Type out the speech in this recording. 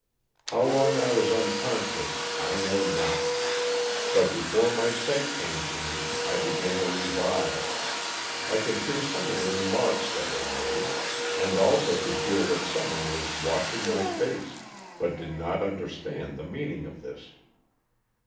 How long I was unconscious I know not; but before my sight came to me I began to revive, I could hear some of the remarks that were made, and also could feel that someone was washing my face, but did not understand the meaning of this.